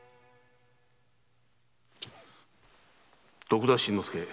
〔徳田新之助。